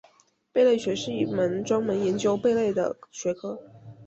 贝类学是一门专门研究贝类的学科。